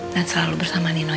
dan selalu bersama nino ya